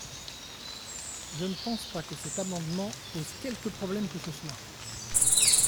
Je ne pense pas que cet amendement pose quelque problème que ce soit.